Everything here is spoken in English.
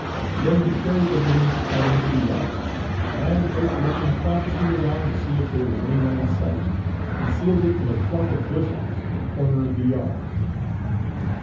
Then he carried the valise out into the yard, and, first looking cautiously around to see if there was any one in sight, concealed it in a clump of bushes in a corner of the yard.